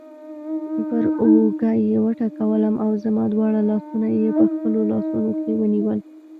پر اوږه یې وټکولم او زما دواړه لاسونه یې په خپلو لاسونو کې ونیول.